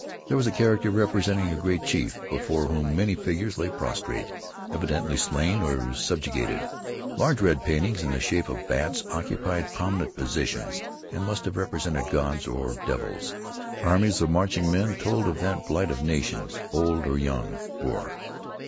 There was a character representing a great chief, before whom many figures lay prostrate, evidently slain or subjugated. Large red paintings, in the shape of bats, occupied prominent positions, and must have represented gods or devils. Armies of marching men told of that blight of nations old or young war.